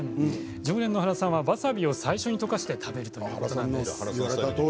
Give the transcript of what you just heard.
常連の原さんはわさびを最初に溶かして食べるということでした。